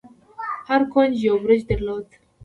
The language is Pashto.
هر کونج يو برج درلود.